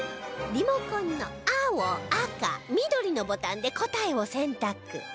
リモコンの青赤緑のボタンで答えを選択